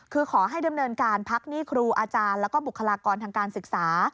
คือขอให้ดำเนินการพักหนี้ครูอาจารย์แล้วก็บุคลากรทางการศึกษา